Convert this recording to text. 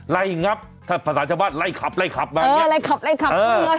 ไล่งับเป็นภาษามนั้นไล่ขับมาอย่างนี้เออไล่ขับไปเลย